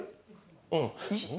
うん。